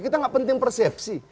kita gak penting persepsi